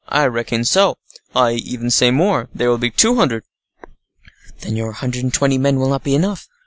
"I reckon so. I even say more—there will be two hundred." "Then your hundred and twenty men will not be enough."